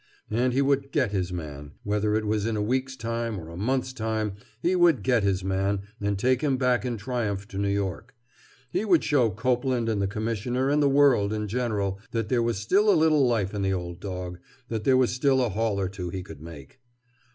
And he would "get" his man; whether it was in a week's time or a month's time, he would "get" his man and take him back in triumph to New York. He would show Copeland and the Commissioner and the world in general that there was still a little life in the old dog, that there was still a haul or two he could make.